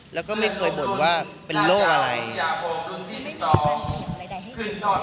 แล้วก็ไม่เคยบ่นว่าเป็นโรคอะไรไม่มีอาการเสี่ยงอะไรใดให้เห็น